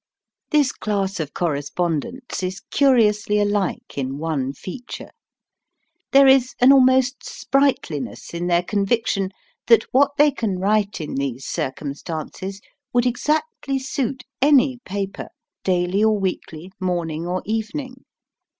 This class of correspondents is curiously alike in one feature. There is an almost sprightliness in their conviction that what they can write in these circumstances would exactly suit any paper, daily or weekly, morning or evening.